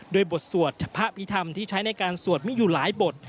โดยบทสวดพระพิธรรมที่ใช้ในการสวดมีอยู่หลายบท